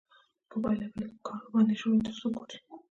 په پایله کې لږ کار ورباندې شوی تر څو کوټ شي.